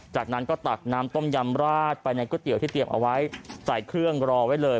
จากนั้นก็ตักน้ำต้มยำราดไปในก๋วยเตี๋ยวที่เตรียมเอาไว้ใส่เครื่องรอไว้เลย